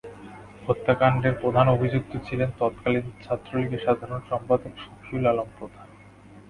হত্যাকাণ্ডের প্রধান অভিযুক্ত ছিলেন তৎকালীন ছাত্রলীগের সাধারণ সম্পাদক শফিউল আলম প্রধান।